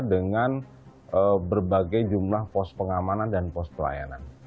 dengan berbagai jumlah pos pengamanan dan pos pelayanan